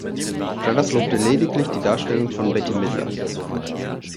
Travers lobte lediglich die Darstellung von Bette Midler.